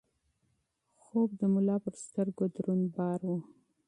خوب د ملا پر سترګو دروند بار و.